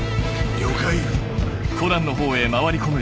了解。